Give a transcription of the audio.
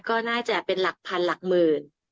ก็น่าจะเป็นหลักพันหลักหมื่น